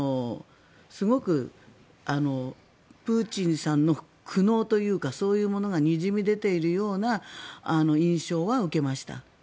すごくプーチンさんの苦悩というかそういうものがにじみ出ているような印象は受けました。